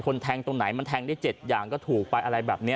แทงตรงไหนมันแทงได้๗อย่างก็ถูกไปอะไรแบบนี้